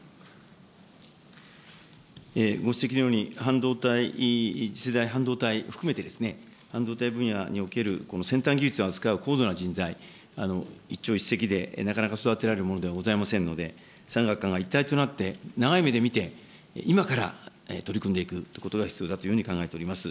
ご指摘のように、半導体、次世代半導体含めてですね、半導体分野における先端技術を扱う高度な人材、一朝一夕でなかなか育てられるものではございませんので、産学官が一体となって、長い目で見て、今から取り組んでいくということが必要だというふうに考えております。